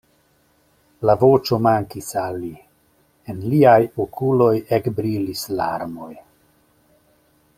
La voĉo mankis al li, en liaj okuloj ekbrilis larmoj.